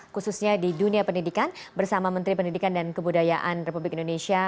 khususnya di dunia pendidikan bersama menteri pendidikan dan kebudayaan republik indonesia